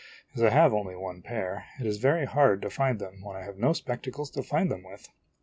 As I have only one pair, it is very hard to find them when I have no spectacles to find them with.